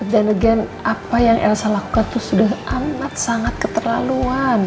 dan again apa yang elsa lakukan itu sudah amat sangat keterlaluan